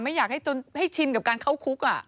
ไม่อยากให้ชินกับการเข้าคุก